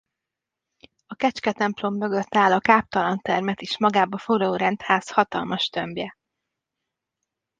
A Kecske-templom mögött áll a Káptalan-termet is magába foglaló rendház hatalmas tömbje.